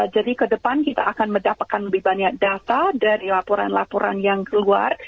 jadi ke depan kita akan mendapatkan lebih banyak data dari laporan laporan yang keluar